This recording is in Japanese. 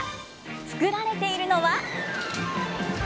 作られているのは。